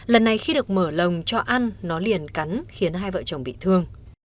lần này khi được mở lồng cho ăn nó liền cắn khiến hai vợ chồng bị thương